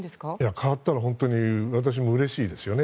変わったら本当に私もうれしいですよね。